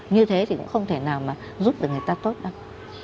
như thế thì cũng không thể nào mà giúp được người ta tốt đâu